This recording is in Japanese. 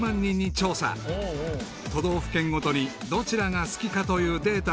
［都道府県ごとにどちらが好きかというデータを集計］